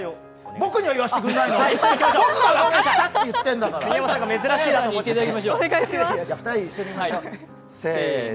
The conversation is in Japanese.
僕には言わせてくれないの！？